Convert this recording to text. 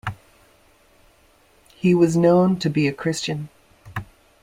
He was known to be Christian.